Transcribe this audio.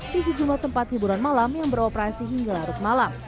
di sejumlah tempat hiburan malam yang beroperasi hingga larut malam